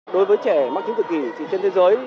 đối với trẻ mắc chứng tự kỷ thì trên thế giới